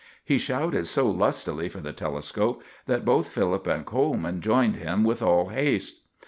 He shouted so lustily for the telescope that both Philip and Coleman joined him with all haste.